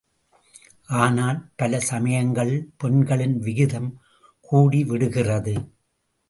ஆனால் பல சமயங்களில் பெண்களின் விகிதம் கூடிவிடுகிறது.